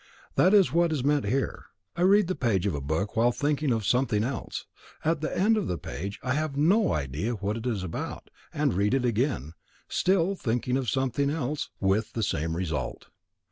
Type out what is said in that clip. That is what is meant here. I read the page of a book while inking of something else. At the end of he page, I have no idea of what it is about, and read it again, still thinking of something else, with the same result.